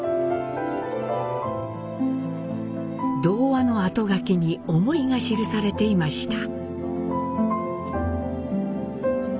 童話のあとがきに思いが記されていました。